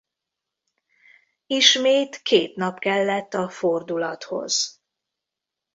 Ismét két nap kellett a fordulathoz.